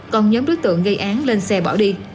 còn nhóm đối tượng gây án lên xe bỏ đi